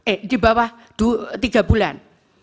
eh di bawah tiga bulan